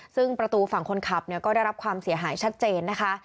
ซึ่งประตูฝั่งคนขับก็ได้รับความเสียหายชัดเจนนะคะ